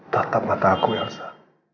tatap mata aku elsa